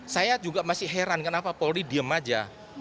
saya juga masih heran kenapa polri diem aja